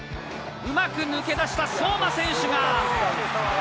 うまく抜け出した相馬選手が。